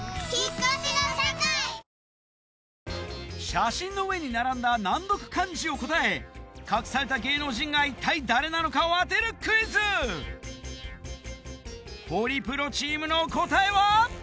写真の上に並んだ難読漢字を答え隠された芸能人が一体誰なのかを当てるクイズホリプロチームの答えは？